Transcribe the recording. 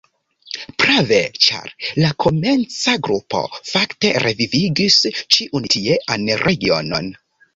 Prave, ĉar la komenca grupo fakte revivigis ĉiun tiean regionon.